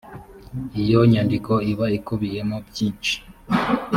iyo nyandiko iba ikubiyemo byishi.